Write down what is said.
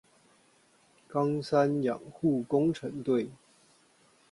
岡山養護工程隊